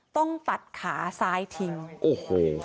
ต้องตัดขาซ้ายทิ้งโอ้โห